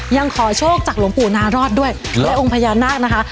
ยังขอโชคจากหลวงปู่นารอดด้วยและองค์พญานาคนะคะ